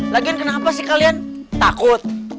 lagian kenapa sih kalian takut